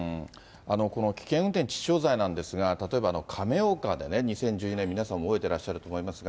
この危険運転致死傷罪なんですが、例えば亀岡でね、２０１２年、皆さんも覚えていらっしゃると思いますが。